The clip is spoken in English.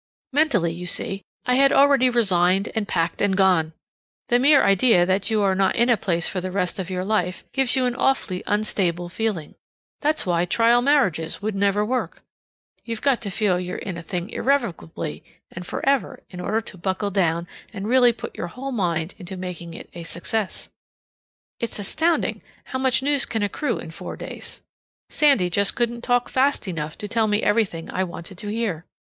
Mentally, you see, I had already resigned and packed and gone. The mere idea that you are not in a place for the rest of your life gives you an awfully unstable feeling. That's why trial marriages would never work. You've got to feel you're in a thing irrevocably and forever in order to buckle down and really put your whole mind into making it a success. It's astounding how much news can accrue in four days. Sandy just couldn't talk fast enough to tell me everything I wanted to hear.